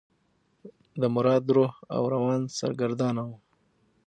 د مراد روح او روان سرګردانه و.